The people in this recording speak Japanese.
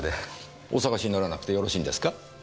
お捜しにならなくてよろしいんですか？